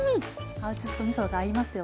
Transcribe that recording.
青じそとみそが合いますよね。